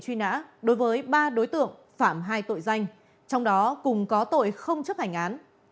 phạm hai tội danh trong đó cùng có tội không chấp hành án